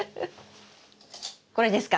これですか？